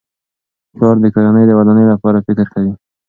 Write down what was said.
پلار د کورنۍ د ودانۍ لپاره فکر کوي.